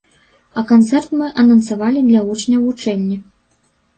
А канцэрт мы анансавалі для вучняў вучэльні.